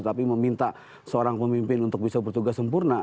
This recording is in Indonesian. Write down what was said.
tapi meminta seorang pemimpin untuk bisa bertugas sempurna